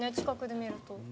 近くで見ると。